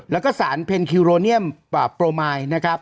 แล้วก็สารเพนคิวโรเนียมโปรมายนะครับ